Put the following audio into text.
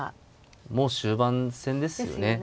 もう終盤戦ですね。